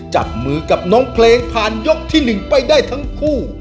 จับมือกับน้องเพลงผ่านยกที่๑ไปได้ทั้งคู่